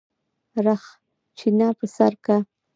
رخچينه پر سر که.